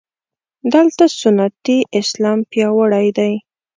دلته سنتي اسلام پیاوړی دی.